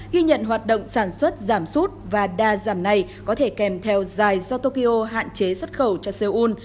ghi nhận hoạt động sản xuất giảm sút và đa giảm này có thể kèm theo dài do tokyo hạn chế xuất khẩu cho seoul